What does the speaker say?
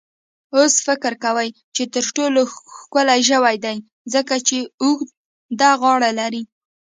اوښ فکر کوي چې تر ټولو ښکلی ژوی دی، ځکه چې اوږده غاړه لري.